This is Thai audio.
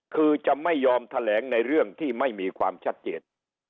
คือจะไม่ยอมแถลงในเรื่องที่ไม่มีความชัดเจน